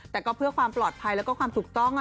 แต่ก็เพื่อความปลอดภัยแล้วก็ความถูกต้อง